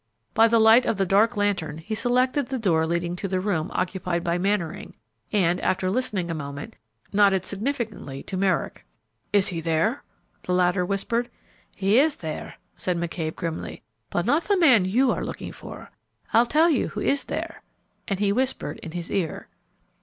By the light of the dark lantern he selected the door leading to the room occupied by Mannering, and, after listening a moment, nodded significantly to Merrick. "Is he there?" the latter whispered. "He is there," said McCabe, grimly, "but not the man you are looking for. I'll tell you who is there," and he whispered in his ear.